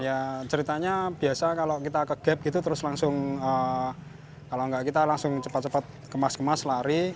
ya ceritanya biasa kalau kita ke gap gitu terus langsung kalau nggak kita langsung cepat cepat kemas kemas lari